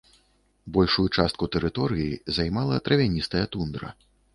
Большую частку тэрыторыі займала травяністая тундра.